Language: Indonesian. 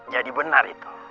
jadi benar itu